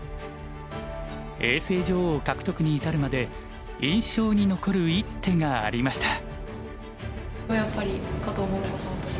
永世女王獲得に至るまで印象に残る一手がありました。